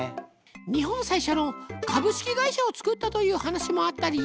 日本最初の株式会社を作ったという話もあったり。